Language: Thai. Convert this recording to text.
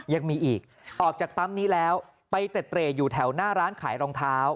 ยังมีอีกออกจากปั๊มนี้แล้วไปเต็ดเตร่อยู่แถวหน้าร้านขายรองเท้า